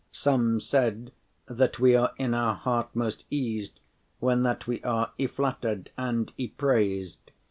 Some said, that we are in our heart most eased When that we are y flatter’d and y praised.